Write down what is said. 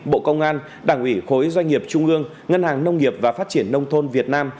bộ công an đảng ủy khối doanh nghiệp trung ương ngân hàng nông nghiệp và phát triển nông thôn việt nam